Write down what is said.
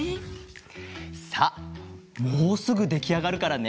さあもうすぐできあがるからね。